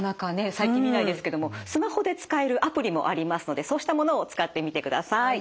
最近見ないですけどもスマホで使えるアプリもありますのでそうしたものを使ってみてください。